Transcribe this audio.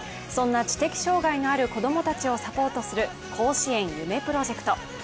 そんな知的障がいのある子供たちをサポートする甲子園夢プロジェクト。